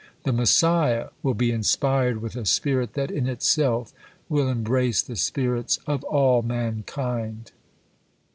The Messiah will be inspired with a spirit that in itself will embrace the spirits of all mankind.